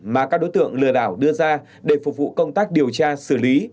mà các đối tượng lừa đảo đưa ra để phục vụ công tác điều tra xử lý